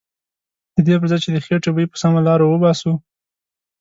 ددې پرځای چې د خیټې بوی په سمه لاره وباسو.